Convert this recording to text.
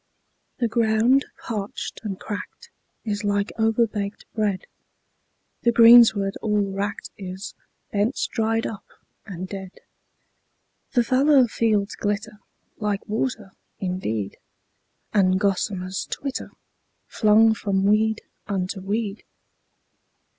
The ground parched and cracked is like overbaked bread, The greensward all wracked is, bents dried up and dead. The fallow fields glitter like water indeed, And gossamers twitter, flung from weed unto weed.